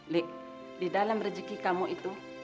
lik di dalam rezeki kamu itu